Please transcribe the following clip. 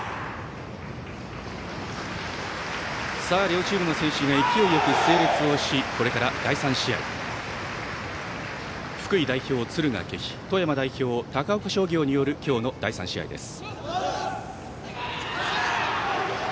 両チームの選手が勢いよく整列をしこれから第３試合福井代表、敦賀気比富山代表、高岡商業による今日の第３試合です。